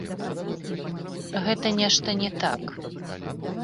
Гэта нешта не так.